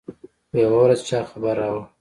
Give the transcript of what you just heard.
خو يوه ورځ چا خبر راوړ.